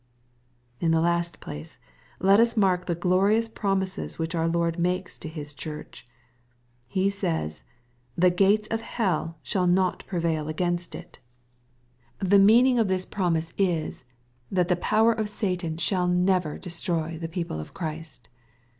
^ In the last place, let us mark fhe gloriouB promises which our Lord makes to His Church : He says, " the gates of hell shall not prevail against it." / 198 EXPOSITORY THOUGHTS. The meaning of this promise is, that the power of Batan shall never destroy the people of Christ.